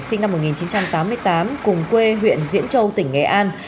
sinh năm một nghìn chín trăm tám mươi tám cùng quê huyện diễn châu tỉnh nghệ an